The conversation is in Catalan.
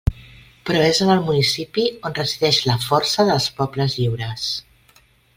Però és en el municipi on resideix la força dels pobles lliures.